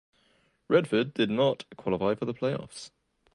Radford did not qualify for the playoffs.